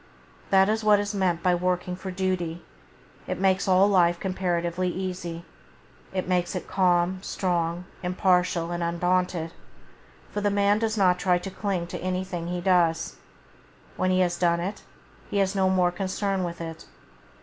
That is what is meant by working for duty. It makes all life comparatively easy. It makes it calm, strong, impartial, and undaunted; for the man does not cling to anything he does. When he has done it, he has no more concern with it.